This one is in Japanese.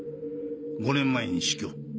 ５年前に死去。